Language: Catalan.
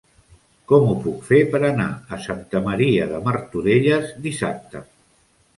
Com ho puc fer per anar a Santa Maria de Martorelles dissabte?